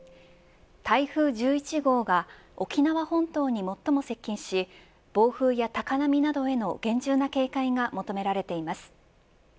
台風１１号が沖縄本島に最も接近し暴風や高波などへの厳重な警戒が求められています。